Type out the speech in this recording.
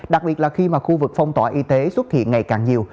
đặc biệt là khi mà khu vực phong tỏa y tế xuất hiện ngày càng nhiều